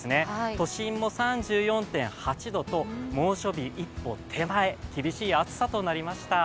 都心も３４．８度と猛暑日一歩手前、厳しい暑さとなりました。